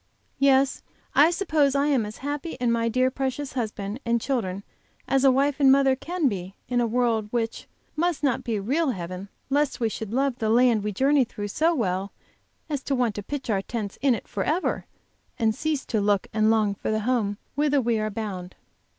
Yes, I suppose I am as happy in my dear, precious husband and children as a wife and mother can be in a world, which must not be a real heaven lest we should love the land we journey through so well as to want to pitch our tents in it forever, and cease to look and long for the home whither we are bound.